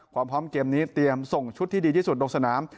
ความพร้อมเกมนี้เตรียมส่งชุดที่ดีที่สุดลงสนาม